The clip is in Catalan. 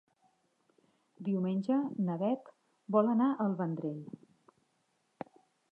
Diumenge na Beth vol anar al Vendrell.